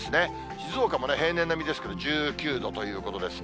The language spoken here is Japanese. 静岡も平年並みですけど１９度ということです。